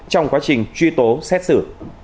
trong quá trình truy tố xét xử